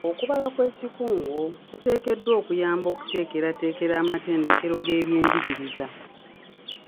Okubala okw'ekikungo kutegekeddwa okuyamba okuteekerateekera amatendekero g'ebyenjigiriza.